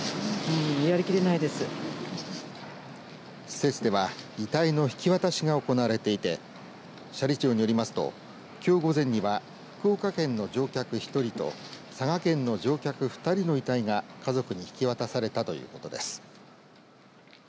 施設では遺体の引き渡しが行われていて斜里町によりますときょう午前には福岡県の乗客１人と佐賀県の乗客２人の遺体が家族に引き渡されたということです。